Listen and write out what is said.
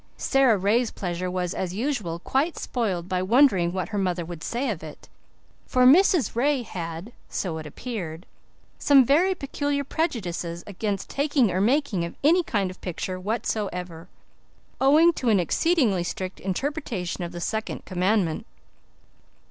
Sara Ray's pleasure was, as usual, quite spoiled by wondering what her mother would say of it, for Mrs. Ray had, so it appeared, some very peculiar prejudices against the taking or making of any kind of picture whatsoever, owing to an exceedingly strict interpretation of the second commandment.